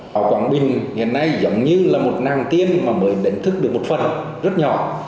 họ quảng bình hiện nay giống như là một nàng tiên mà mới đến thức được một phần rất nhỏ